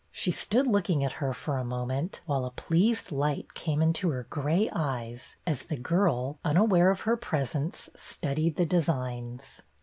She stood looking at her for a moment, while a pleased light came into her gray eyes as the girl, unaware of her presence, studied the designs.